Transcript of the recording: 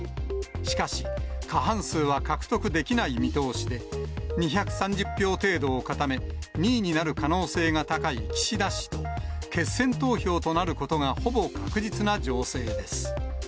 しかし過半数は獲得できない見通しで、２３０票程度を固め、２位になる可能性が高い岸田氏と、決選投票となることがほぼ確実な情勢です。